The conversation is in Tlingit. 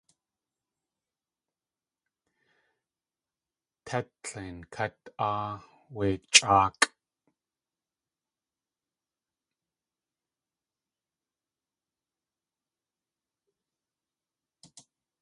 Té tlein kát .áa wé chʼáakʼ.